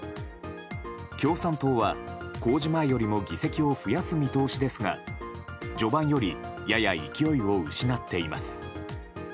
共産党は公示前よりも議席を増やす見通しですが序盤よりやや勢いを失っています。